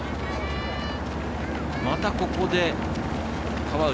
また、ここで川内。